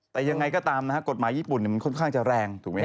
แต่ยังไงก็ตามนะฮะกฎหมายญี่ปุ่นมันค่อนข้างจะแรงถูกไหมฮ